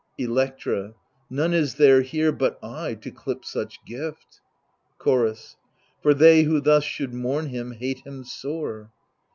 Electra None is there here but I, to clip such gift. Chorus For they who thus should mourn him hate him sore.